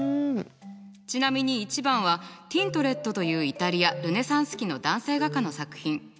ちなみに１番はティントレットというイタリアルネサンス期の男性画家の作品。